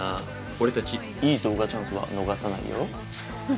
「俺たちいい動画チャンスは逃さないよ」